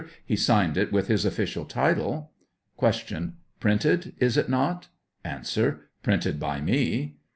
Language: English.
He signed it with his official title. Q. Printed, is it not ? A. Printed by me.